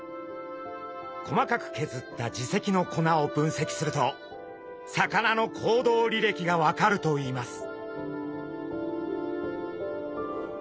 細かく削った耳石の粉を分析すると魚の行動りれきが分かるといいます。